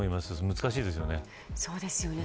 難しいですよね。